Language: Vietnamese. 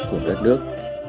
của đất nước